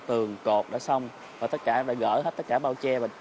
tường cột đã xong và gỡ hết tất cả bao che